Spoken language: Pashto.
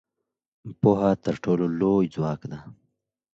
پوهه تر ټولو لوی ځواک دی.